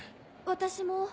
私も。